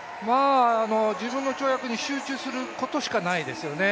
自分の跳躍に集中することしかないですよね。